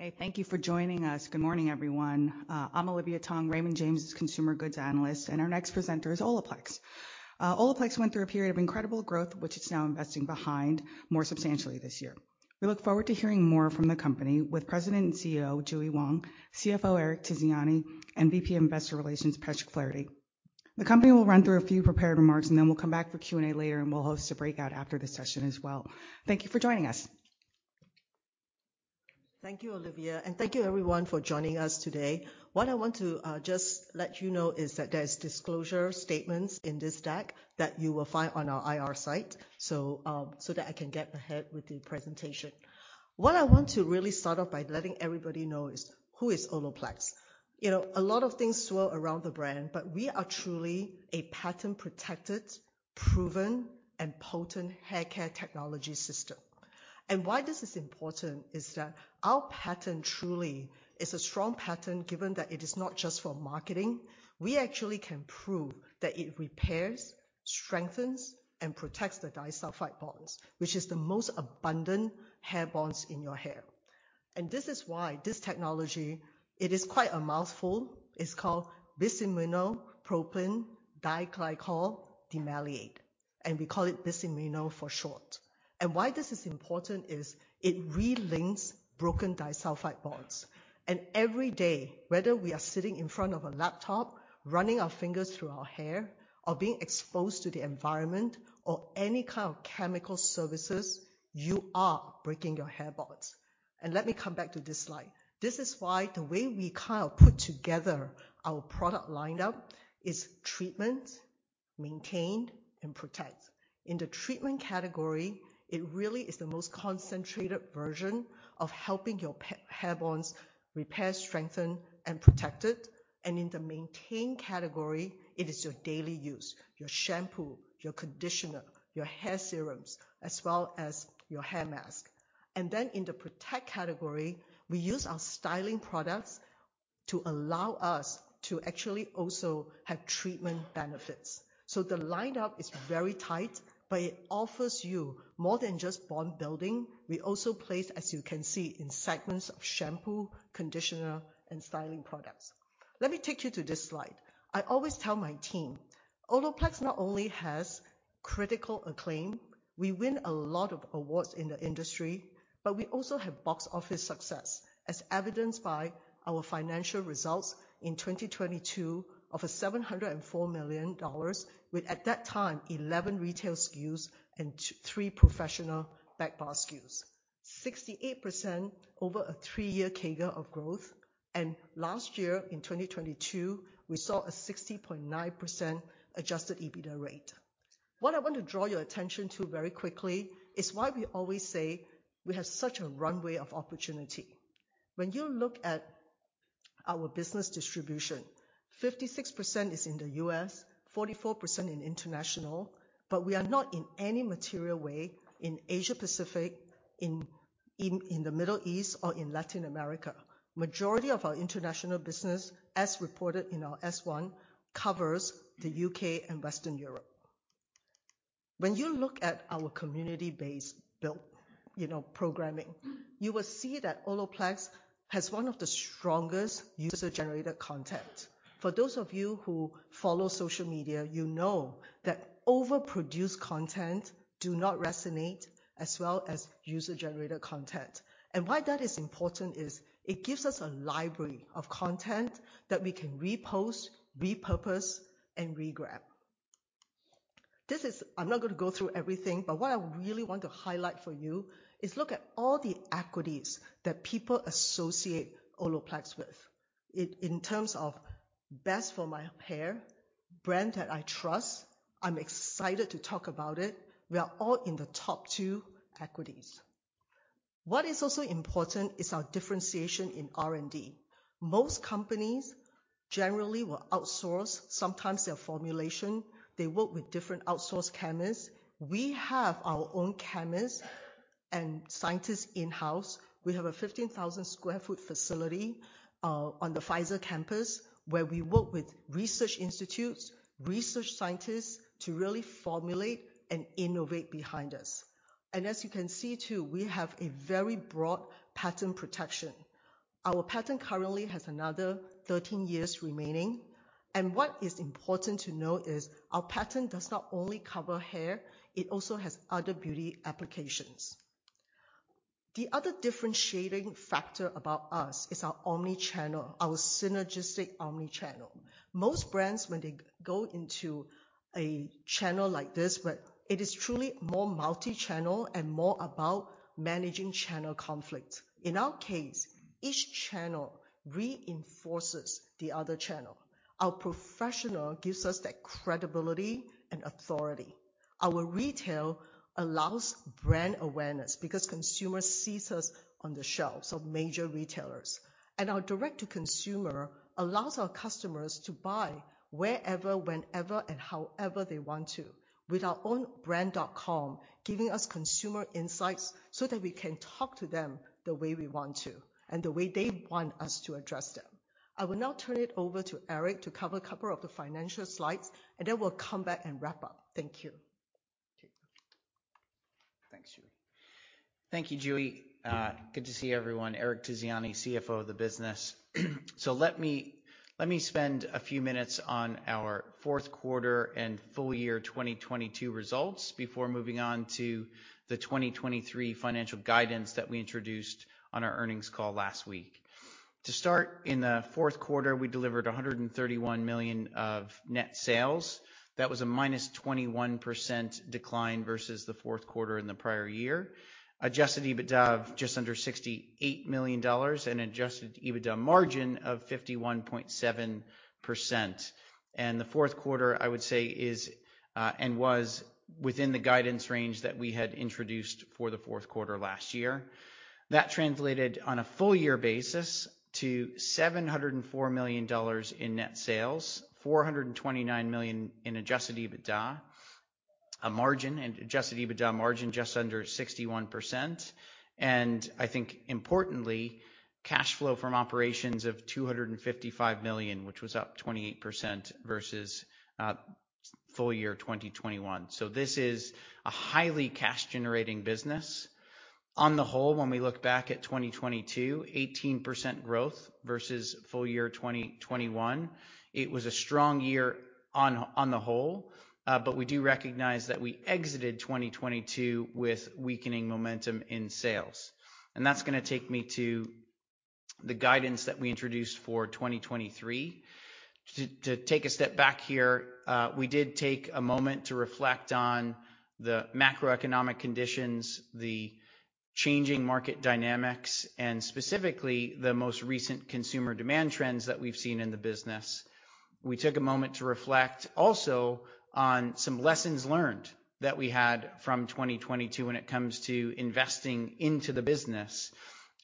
Okay, thank you for joining us. Good morning, everyone. I'm Olivia Tong, Raymond James's consumer goods analyst. Our next presenter is Olaplex. Olaplex went through a period of incredible growth, which it's now investing behind more substantially this year. We look forward to hearing more from the company with President and CEO, JuE Wong, CFO, Eric Tizziani, and VP Investor Relations, Patrick Flaherty. The company will run through a few prepared remarks. Then we'll come back for Q&A later. We'll host a breakout after the session as well. Thank you for joining us. Thank you, Olivia. Thank you everyone for joining us today. What I want to just let you know is that there's disclosure statements in this deck that you will find on our IR site, so that I can get ahead with the presentation. What I want to really start off by letting everybody know is who is Olaplex? You know, a lot of things swirl around the brand, but we are truly a patent-protected, proven, and potent hair care technology system. Why this is important is that our patent truly is a strong patent, given that it is not just for marketing. We actually can prove that it repairs, strengthens, and protects the disulfide bonds, which is the most abundant hair bonds in your hair. This is why this technology, it is quite a mouthful. It's called Bis-Aminopropyl Diglycol Dimaleate, and we call it Bis-Amino for short. Why this is important is it relinks broken disulfide bonds. Every day, whether we are sitting in front of a laptop, running our fingers through our hair, or being exposed to the environment or any kind of chemical services, you are breaking your hair bonds. Let me come back to this slide. This is why the way we kind of put together our product lineup is treatment, maintain, and protect. In the treatment category, it really is the most concentrated version of helping your hair bonds repair, strengthen, and protect it. In the maintain category, it is your daily use, your shampoo, your conditioner, your hair serums, as well as your hair mask. In the protect category, we use our styling products to allow us to actually also have treatment benefits. The lineup is very tight, but it offers you more than just bond building. We also place, as you can see, in segments of shampoo, conditioner, and styling products. Let me take you to this slide. I always tell my team, Olaplex not only has critical acclaim, we win a lot of awards in the industry, but we also have box office success, as evidenced by our financial results in 2022 of a $704 million with, at that time, 11 retail SKUs and three professional backbar SKUs. 68% over a three-year CAGR of growth. Last year, in 2022, we saw a 60.9% adjusted EBITDA rate. What I want to draw your attention to very quickly is why we always say we have such a runway of opportunity. When you look at our business distribution, 56% is in the U.S., 44% in international, but we are not in any material way in Asia-Pacific, in the Middle East or in Latin America. Majority of our international business, as reported in our S-1, covers the U.K. and Western Europe. When you look at our community-based build, you know, programming, you will see that Olaplex has one of the strongest user-generated content. For those of you who follow social media, you know that overproduced content do not resonate as well as user-generated content. Why that is important is it gives us a library of content that we can repost, repurpose, and regrab. I'm not gonna go through everything, but what I really want to highlight for you is look at all the equities that people associate Olaplex with. In terms of best for my hair, brand that I trust, I'm excited to talk about it. We are all in the top two equities. What is also important is our differentiation in R&D. Most companies generally will outsource sometimes their formulation. They work with different outsourced chemists. We have our own chemists and scientists in-house. We have a 15,000 sq ft facility on the Pfizer campus where we work with research institutes, research scientists, to really formulate and innovate behind us. As you can see too, we have a very broad patent protection. Our patent currently has another 13 years remaining. What is important to note is our patent does not only cover hair, it also has other beauty applications. The other differentiating factor about us is our omni-channel, our synergistic omni-channel. Most brands, when they go into a channel like this, it is truly more multi-channel and more about managing channel conflict. In our case, each channel reinforces the other channel. Our professional gives us that credibility and authority. Our retail allows brand awareness because consumer sees us on the shelves of major retailers. Our direct-to-consumer allows our customers to buy wherever, whenever, and however they want to with our own brand.com, giving us consumer insights so that we can talk to them the way we want to and the way they want us to address them. I will now turn it over to Eric to cover a couple of the financial slides, then we'll come back and wrap up. Thank you. Thanks, JuE. Thank you, JuE. Good to see everyone. Eric Tizziani, CFO of the business. Let me spend a few minutes on our fourth quarter and full year 2022 results before moving on to the 2023 financial guidance that we introduced on our earnings call last week. To start, in the fourth quarter, we delivered $131 million of net sales. That was a -21% decline versus the fourth quarter in the prior year. Adjusted EBITDA of just under $68 million and adjusted EBITDA margin of 51.7%. The fourth quarter, I would say is, and was within the guidance range that we had introduced for the fourth quarter last year. That translated on a full year basis to $704 million in net sales, $429 million in adjusted EBITDA, adjusted EBITDA margin just under 61%. I think importantly, cash flow from operations of $255 million, which was up 28% versus full year 2021. This is a highly cash-generating business. On the whole, when we look back at 2022, 18% growth versus full year 2021. It was a strong year on the whole, we do recognize that we exited 2022 with weakening momentum in sales. That's gonna take me to the guidance that we introduced for 2023. To take a step back here, we did take a moment to reflect on the macroeconomic conditions, the changing market dynamics, and specifically the most recent consumer demand trends that we've seen in the business. We took a moment to reflect also on some lessons learned that we had from 2022 when it comes to investing into the business.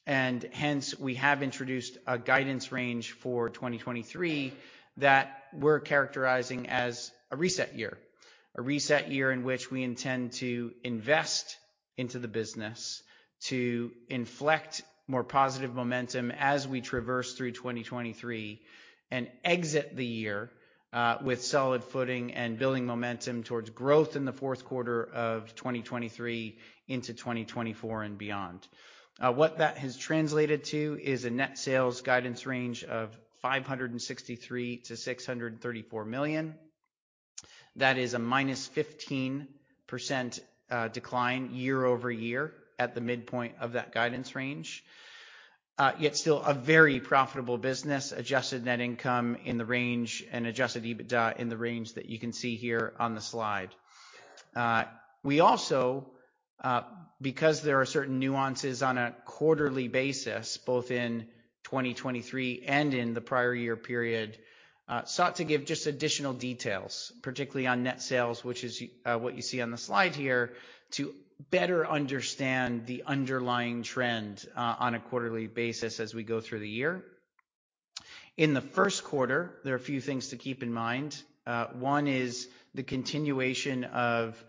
Hence, we have introduced a guidance range for 2023 that we're characterizing as a reset year. A reset year in which we intend to invest into the business to inflect more positive momentum as we traverse through 2023, and exit the year with solid footing and building momentum towards growth in the fourth quarter of 2023 into 2024 and beyond. What that has translated to is a net sales guidance range of $563 million-$634 million. That is a -15% decline year-over-year at the midpoint of that guidance range. Yet still a very profitable business. Adjusted net income in the range and adjusted EBITDA in the range that you can see here on the slide. We also, because there are certain nuances on a quarterly basis, both in 2023 and in the prior year period, sought to give just additional details, particularly on net sales, which is what you see on the slide here, to better understand the underlying trend on a quarterly basis as we go through the year. In the first quarter, there are a few things to keep in mind. One is the continuation of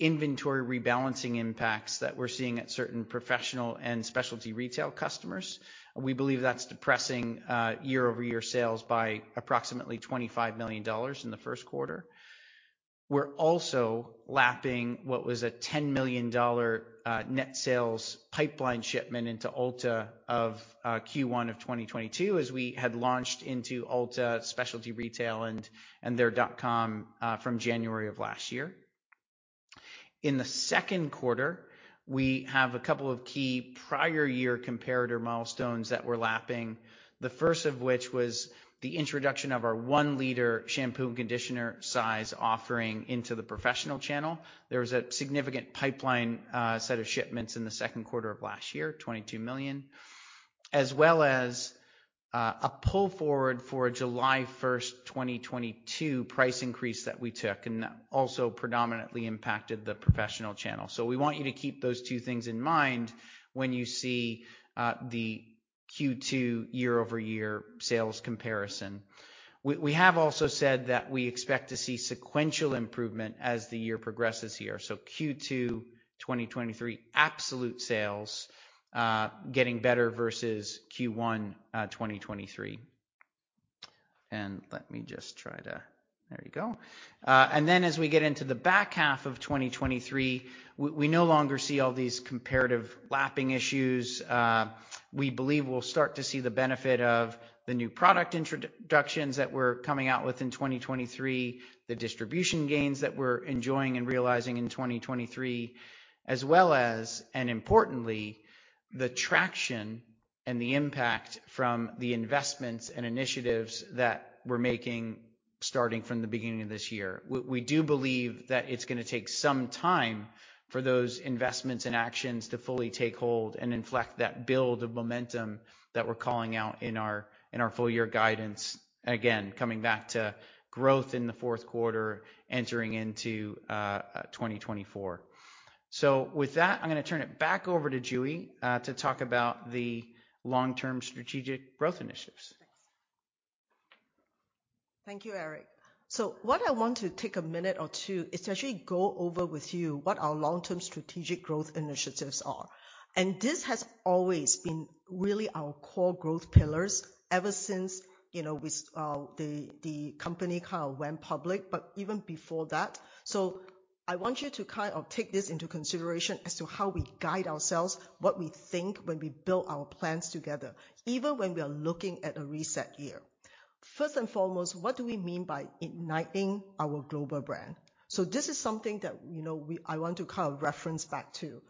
inventory rebalancing impacts that we're seeing at certain professional and specialty retail customers. We believe that's depressing year-over-year sales by approximately $25 million in the first quarter. We're also lapping what was a $10 million net sales pipeline shipment into Ulta of Q1 of 2022, as we had launched into Ulta specialty retail and their dot-com from January of last year. In the second quarter, we have a couple of key prior year comparator milestones that we're lapping. The first of which was the introduction of our one-liter shampoo and conditioner size offering into the professional channel. There was a significant pipeline, set of shipments in the second quarter of last year, $22 million, as well as a pull forward for a July 1st, 2022 price increase that we took, and that also predominantly impacted the professional channel. We want you to keep those two things in mind when you see the Q2 year-over-year sales comparison. We have also said that we expect to see sequential improvement as the year progresses here. Q2 2023 absolute sales getting better versus Q1 2023. Let me just try to. There you go. As we get into the back half of 2023, we no longer see all these comparative lapping issues. We believe we'll start to see the benefit of the new product introductions that we're coming out with in 2023, the distribution gains that we're enjoying and realizing in 2023, as well as, and importantly, the traction and the impact from the investments and initiatives that we're making starting from the beginning of this year. We do believe that it's gonna take some time for those investments and actions to fully take hold and inflect that build of momentum that we're calling out in our, in our full year guidance. Again, coming back to growth in the fourth quarter, entering into 2024. With that, I'm gonna turn it back over to JuE to talk about the long-term strategic growth initiatives. Thanks. Thank you, Eric. What I want to take a minute or two is to actually go over with you what our long-term strategic growth initiatives are. This has always been really our core growth pillars ever since, you know, the company kind of went public, but even before that. I want you to kind of take this into consideration as to how we guide ourselves, what we think when we build our plans together, even when we are looking at a reset year. First and foremost, what do we mean by igniting our global brand? This is something that, you know, I want to kind of reference back to.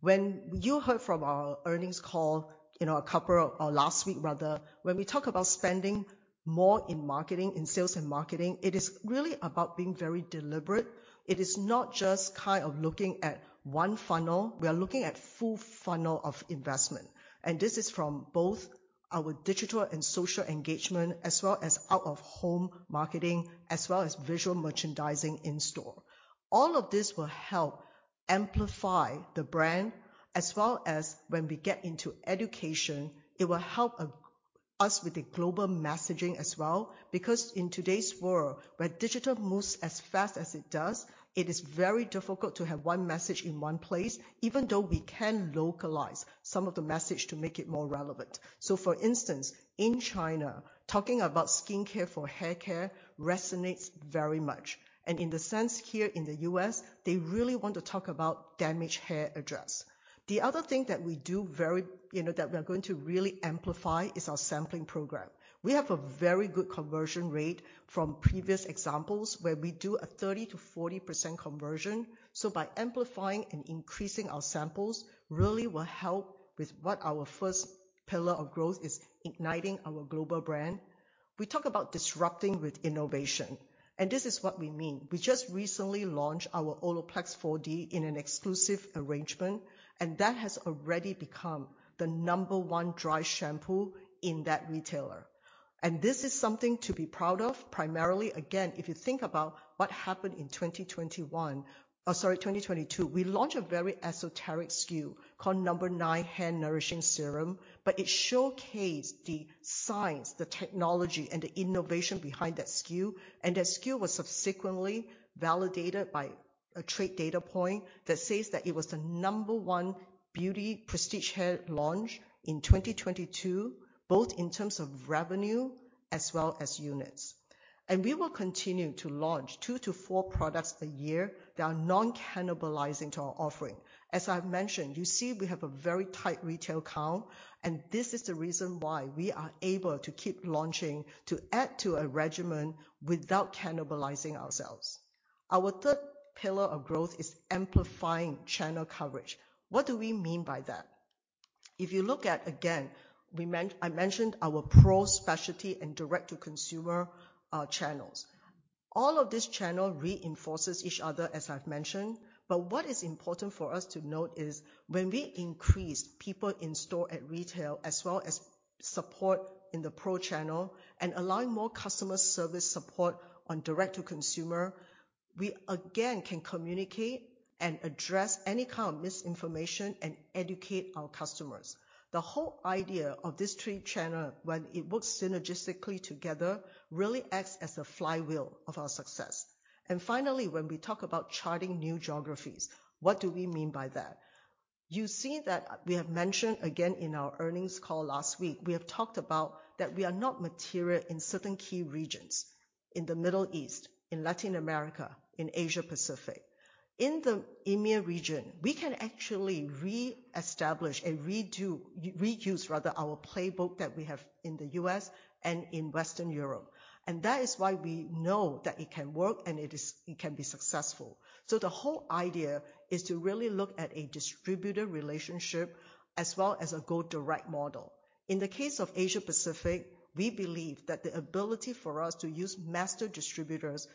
When you heard from our earnings call in a couple of, or last week rather, when we talk about spending more in marketing, in sales and marketing, it is really about being very deliberate. It is not just kind of looking at one funnel. We are looking at full funnel of investment. This is from both our digital and social engagement, as well as out-of-home marketing, as well as visual merchandising in store. All of this will help amplify the brand as well as when we get into education, it will help us with the global messaging as well. In today's world, where digital moves as fast as it does, it is very difficult to have one message in one place, even though we can localize some of the message to make it more relevant. For instance, in China, talking about skincare for haircare resonates very much. In the sense here in the U.S., they really want to talk about damaged hair address. The other thing that we do very, you know, that we are going to really amplify is our sampling program. We have a very good conversion rate from previous examples where we do a 30%-40% conversion. By amplifying and increasing our samples really will help with what our first pillar of growth is igniting our global brand. We talk about disrupting with innovation, and this is what we mean. We just recently launched our Olaplex 4D in an exclusive arrangement, and that has already become the number one dry shampoo in that retailer. This is something to be proud of, primarily, again, if you think about what happened in 2021, or sorry, 2022. We launched a very esoteric SKU called Nº.9 Hand Nourishing Serum, but it showcased the science, the technology, and the innovation behind that SKU. That SKU was subsequently validated by a trade data point that says that it was the number one beauty prestige hair launch in 2022, both in terms of revenue as well as units. We will continue to launch two to four products a year that are non-cannibalizing to our offering. As I've mentioned, you see we have a very tight retail count, and this is the reason why we are able to keep launching to add to a regimen without cannibalizing ourselves. Our third pillar of growth is amplifying channel coverage. What do we mean by that? If you look at, again, I mentioned our pro specialty and direct-to-consumer channels. What is important for us to note is when we increase people in store at retail as well as support in the pro channel and allowing more customer service support on direct-to-consumer, we again can communicate and address any kind of misinformation and educate our customers. The whole idea of these three channel, when it works synergistically together, really acts as a flywheel of our success. Finally, when we talk about charting new geographies, what do we mean by that? You see that we have mentioned again in our earnings call last week, we have talked about that we are not material in certain key regions, in the Middle East, in Latin America, in Asia Pacific. In the EMEA region, we can actually reestablish and redo, reuse rather, our playbook that we have in the US and in Western Europe. That is why we know that it can work and it can be successful. The whole idea is to really look at a distributor relationship as well as a go direct model. In the case of Asia Pacific, we believe that the ability for us to use master distributors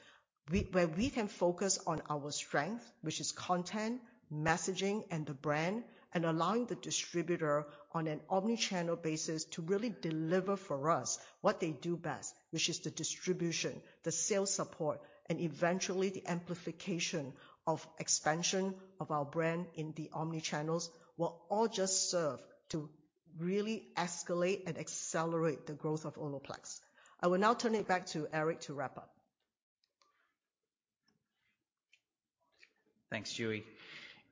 where we can focus on our strength, which is content, messaging, and the brand, and allowing the distributor on an omni-channel basis to really deliver for us what they do best, which is the distribution, the sales support, and eventually the amplification of expansion of our brand in the omni-channels, will all just serve to really escalate and accelerate the growth of Olaplex. I will now turn it back to Eric to wrap up. Thanks, Ju.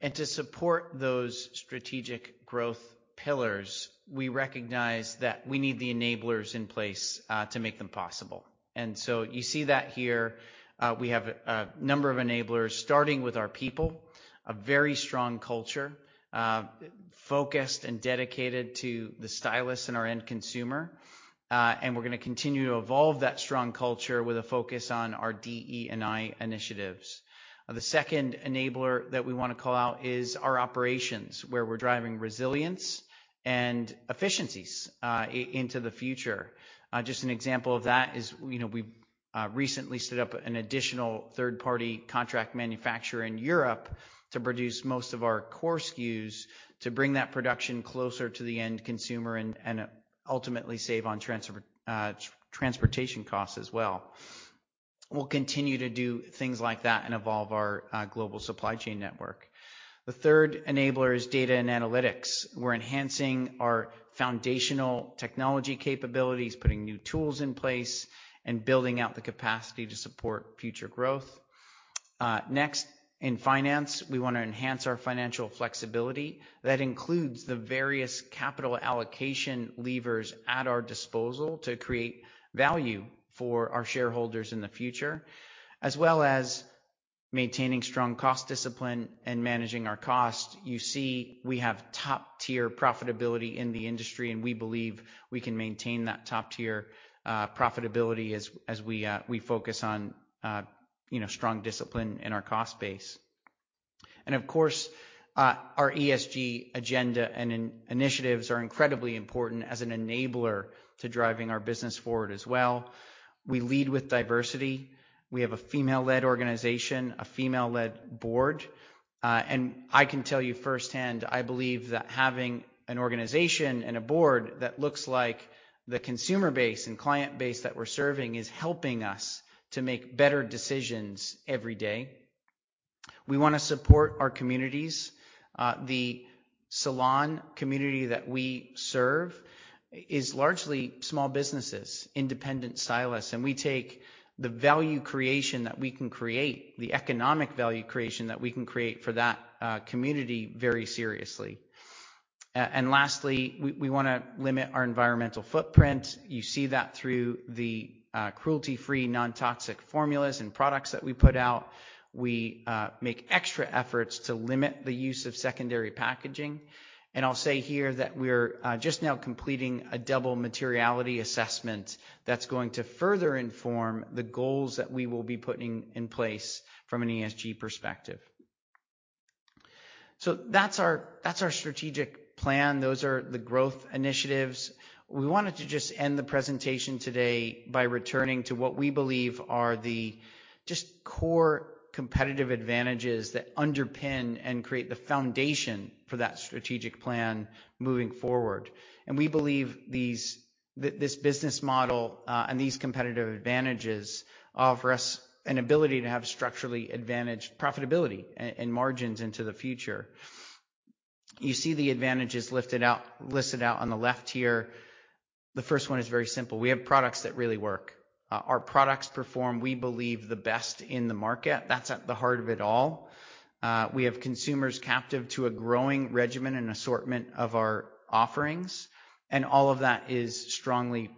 To support those strategic growth pillars, we recognize that we need the enablers in place to make them possible. You see that here, we have a number of enablers starting with our people, a very strong culture, focused and dedicated to the stylist and our end consumer. We're gonna continue to evolve that strong culture with a focus on our DE&I initiatives. The second enabler that we wanna call out is our operations, where we're driving resilience and efficiencies into the future. Just an example of that is, you know, we've recently stood up an additional third-party contract manufacturer in Europe to produce most of our core SKUs to bring that production closer to the end consumer and ultimately save on transfer transportation costs as well. We'll continue to do things like that and evolve our global supply chain network. The third enabler is data and analytics. We're enhancing our foundational technology capabilities, putting new tools in place, and building out the capacity to support future growth. Next, in finance, we wanna enhance our financial flexibility. That includes the various capital allocation levers at our disposal to create value for our shareholders in the future, as well as maintaining strong cost discipline and managing our cost. You see we have top-tier profitability in the industry, and we believe we can maintain that top-tier profitability as we focus on, you know, strong discipline in our cost base. Of course, our ESG agenda and initiatives are incredibly important as an enabler to driving our business forward as well. We lead with diversity. We have a female-led organization, a female-led board, I can tell you firsthand, I believe that having an organization and a board that looks like the consumer base and client base that we're serving is helping us to make better decisions every day. We wanna support our communities. The salon community that we serve is largely small businesses, independent stylists, and we take the value creation that we can create, the economic value creation that we can create for that community very seriously. Lastly, we wanna limit our environmental footprint. You see that through the cruelty-free, non-toxic formulas and products that we put out. We make extra efforts to limit the use of secondary packaging. I'll say here that we're just now completing a double materiality assessment that's going to further inform the goals that we will be putting in place from an ESG perspective. That's our, that's our strategic plan. Those are the growth initiatives. We wanted to just end the presentation today by returning to what we believe are the just core competitive advantages that underpin and create the foundation for that strategic plan moving forward. We believe this business model and these competitive advantages offer us an ability to have structurally advantaged profitability and margins into the future. You see the advantages listed out on the left here. The first one is very simple. We have products that really work. Our products perform, we believe, the best in the market. That's at the heart of it all. We have consumers captive to a growing regimen and assortment of our offerings, and all of that is strongly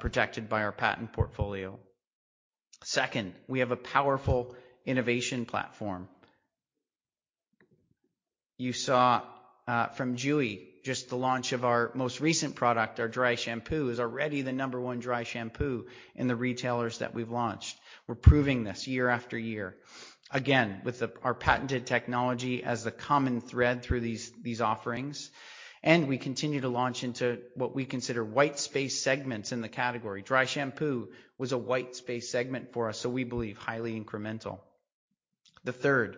protected by our patent portfolio. Second, we have a powerful innovation platform. You saw from Julie, just the launch of our most recent product, our dry shampoo, is already the number one dry shampoo in the retailers that we've launched. We're proving this year after year, again, with our patented technology as the common thread through these offerings, and we continue to launch into what we consider white space segments in the category. Dry shampoo was a white space segment for us, so we believe highly incremental. The third,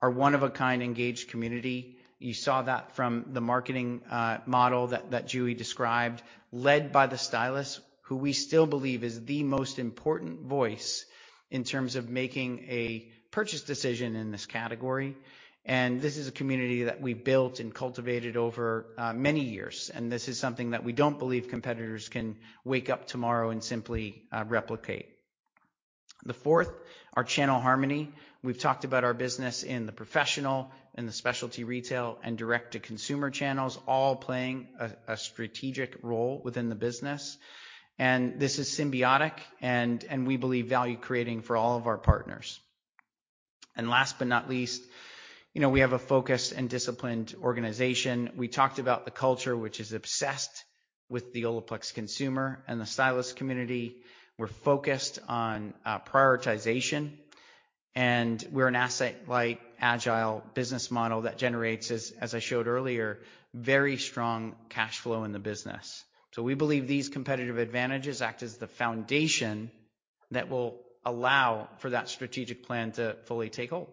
our one-of-a-kind engaged community. You saw that from the marketing model that Julie described, led by the stylists, who we still believe is the most important voice in terms of making a purchase decision in this category. This is a community that we built and cultivated over many years, and this is something that we don't believe competitors can wake up tomorrow and simply replicate. The fourth, our channel harmony. We've talked about our business in the professional, in the specialty retail, and direct-to-consumer channels, all playing a strategic role within the business. This is symbiotic and we believe value-creating for all of our partners. Last but not least, you know, we have a focused and disciplined organization. We talked about the culture, which is obsessed with the Olaplex consumer and the stylist community. We're focused on prioritization, and we're an asset-light, agile business model that generates, as I showed earlier, very strong cash flow in the business. We believe these competitive advantages act as the foundation that will allow for that strategic plan to fully take hold.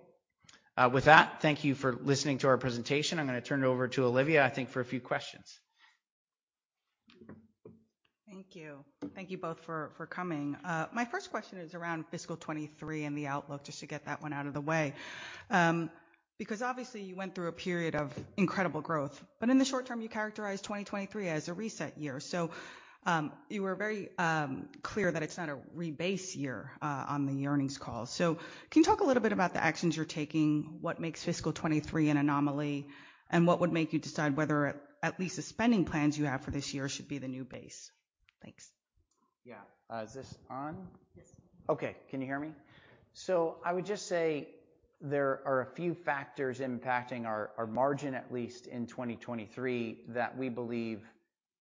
With that, thank you for listening to our presentation. I'm gonna turn it over to Olivia, I think, for a few questions. Thank you. Thank you both for coming. My first question is around fiscal 2023 and the outlook, just to get that one out of the way. Obviously you went through a period of incredible growth, but in the short term, you characterized 2023 as a reset year. You were very clear that it's not a rebase year on the earnings call. Can you talk a little bit about the actions you're taking, what makes fiscal 2023 an anomaly, and what would make you decide whether at least the spending plans you have for this year should be the new base? Thanks. Yeah. Is this on? Yes. Okay. Can you hear me? I would just say there are a few factors impacting our margin, at least in 2023, that we believe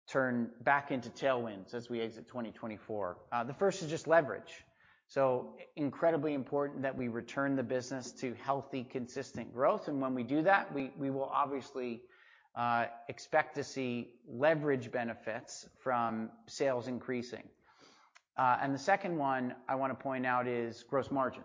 turn back into tailwinds as we exit 2024. The first is just leverage. Incredibly important that we return the business to healthy, consistent growth, and when we do that, we will obviously expect to see leverage benefits from sales increasing. The second one I wanna point out is gross margin.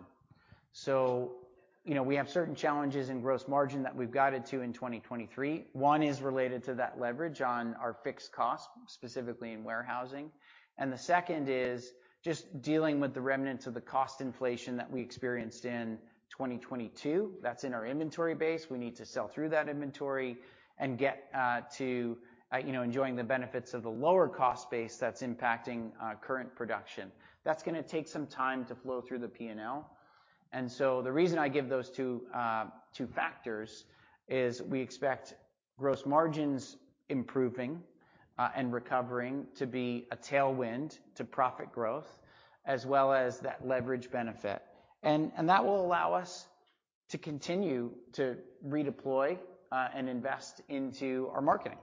You know, we have certain challenges in gross margin that we've guided to in 2023. One is related to that leverage on our fixed costs, specifically in warehousing, and the second is just dealing with the remnants of the cost inflation that we experienced in 2022. That's in our inventory base. We need to sell through that inventory and get, you know, enjoying the benefits of the lower cost base that's impacting current production. That's gonna take some time to flow through the P&L. The reason I give those two factors is we expect gross margins improving and recovering to be a tailwind to profit growth as well as that leverage benefit. That will allow us to continue to redeploy and invest into our marketing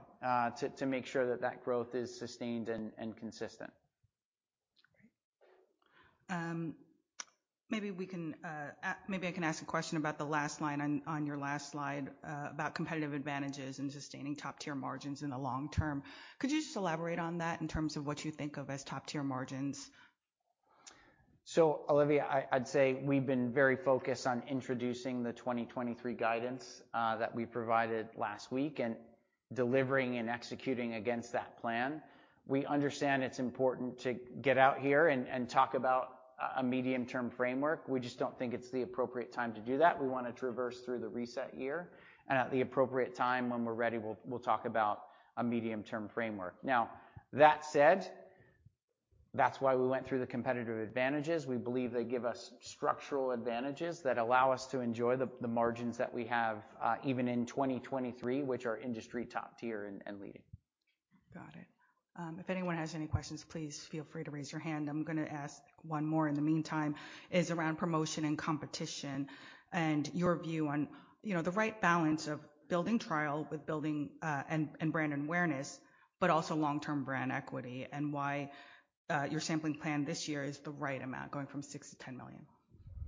to make sure that that growth is sustained and consistent. Great. Maybe I can ask a question about the last line on your last slide, about competitive advantages and sustaining top-tier margins in the long term. Could you just elaborate on that in terms of what you think of as top-tier margins? Olivia, I'd say we've been very focused on introducing the 2023 guidance that we provided last week, and delivering and executing against that plan. We understand it's important to get out here and talk about a medium-term framework. We just don't think it's the appropriate time to do that. We wanna traverse through the reset year, and at the appropriate time when we're ready, we'll talk about a medium-term framework. That said, that's why we went through the competitive advantages. We believe they give us structural advantages that allow us to enjoy the margins that we have even in 2023, which are industry top tier and leading. Got it. If anyone has any questions, please feel free to raise your hand. I'm gonna ask one more in the meantime. Is around promotion and competition, and your view on, you know, the right balance of building trial with building brand awareness, but also long-term brand equity, and why your sampling plan this year is the right amount, going from $6 million-$10 million.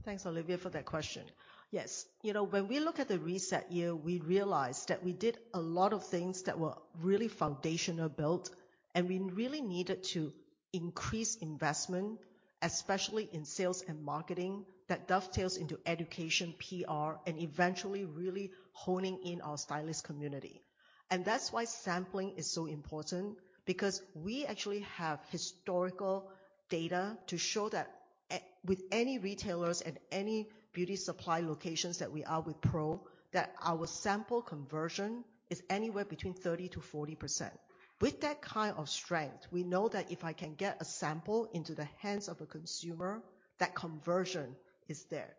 Thanks, Olivia, for that question. Yes. You know, when we look at the reset year, we realized that we did a lot of things that were really foundational built, and we really needed to increase investment, especially in sales and marketing, that dovetails into education, PR, and eventually really honing in our stylist community. That's why sampling is so important because we actually have historical data to show that with any retailers and any beauty supply locations that we are with pro, that our sample conversion is anywhere between 30%-40%. With that kind of strength, we know that if I can get a sample into the hands of a consumer, that conversion is there.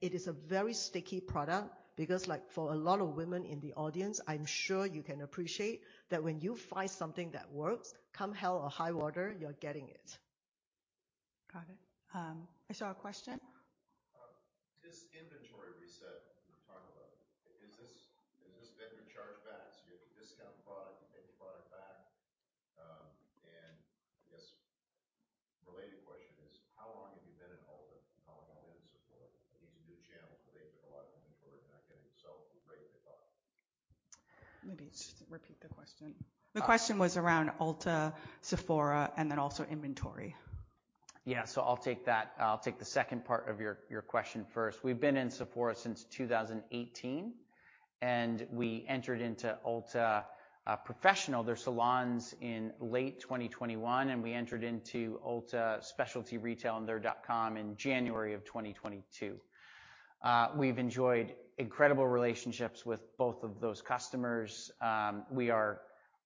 It is a very sticky product because like for a lot of women in the audience, I'm sure you can appreciate that when you find something that works, come hell or high water, you're getting it. Got it. I saw a question. This inventory reset you're talking about, is this then recharged back? You have a discount product, you get the product back. I guess related question is: how long have you been in Ulta? How long have you been in Sephora? These new channels where they took a lot of inventory, they're not getting sold. Greatly thought. Maybe just repeat the question. The question was around Ulta, Sephora, and then also inventory. I'll take that. I'll take the second part of your question first. We've been in Sephora since 2018, and we entered into Ulta professional, their salons in late 2021, and we entered into Ulta specialty retail and their dot com in January of 2022. We've enjoyed incredible relationships with both of those customers. We are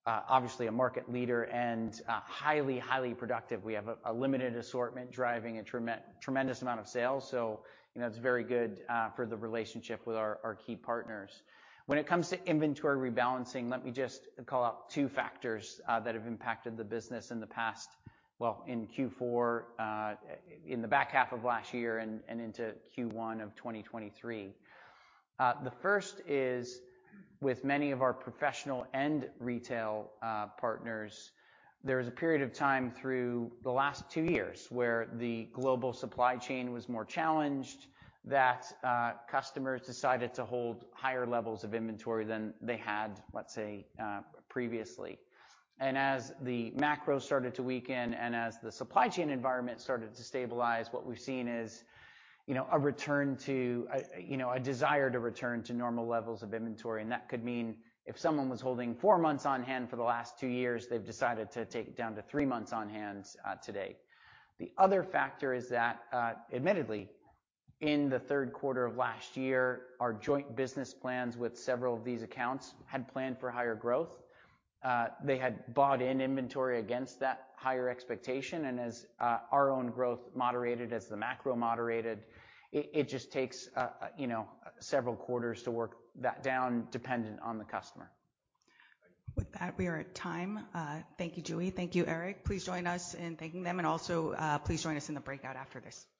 obviously a market leader and highly productive. We have a limited assortment driving a tremendous amount of sales, so, you know, it's very good for the relationship with our key partners. When it comes to inventory rebalancing, let me just call out two factors that have impacted the business in the past. Well, in Q4, in the back half of last year and into Q1 of 2023. The first is with many of our professional end retail partners, there was a period of time through the last two years where the global supply chain was more challenged that customers decided to hold higher levels of inventory than they had, let say, previously. As the macro started to weaken and as the supply chain environment started to stabilize, what we've seen is, you know, a return to... you know, a desire to return to normal levels of inventory, and that could mean if someone was holding four months on hand for the last two years, they've decided to take it down to three months on hand today. The other factor is that, admittedly, in the third quarter of last year, our joint business plans with several of these accounts had planned for higher growth. They had bought in inventory against that higher expectation, and as our own growth moderated, as the macro moderated, it just takes, you know, several quarters to work that down dependent on the customer. With that, we are at time. Thank you, Julie. Thank you, Eric. Please join us in thanking them, and also, please join us in the breakout after this.